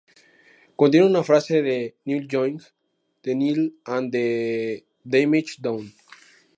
Contiene una frase de Neil Young: "The needle and the damage done".